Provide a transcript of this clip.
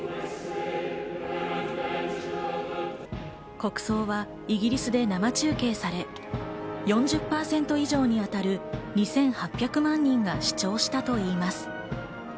国葬はイギリスで生中継され、４０％以上に当たる２８００万人が視聴したといいます。